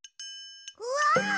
うわ！